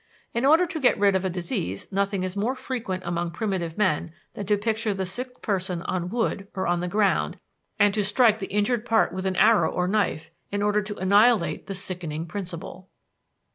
In order to get rid of a disease nothing is more frequent among primitive men than to picture the sick person on wood or on the ground, and to strike the injured part with an arrow or knife, in order to annihilate the sickening principle.